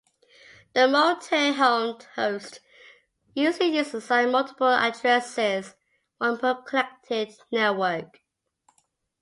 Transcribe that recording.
A multihomed host usually is assigned multiple addresses, one per connected network.